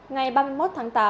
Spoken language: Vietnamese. ngày ba mươi một tháng tám